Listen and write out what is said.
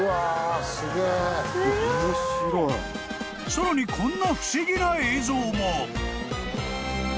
［さらにこんな不思議な映像も］